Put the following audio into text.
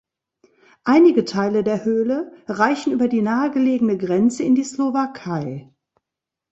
Einige Teile der Höhle reichen über die nahegelegene Grenze in die Slowakei.